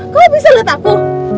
kamu bisa lihat aku